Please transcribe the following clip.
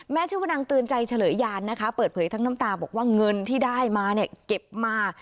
ชื่อว่านางเตือนใจเฉลยยานนะคะเปิดเผยทั้งน้ำตาบอกว่าเงินที่ได้มาเนี่ยเก็บมา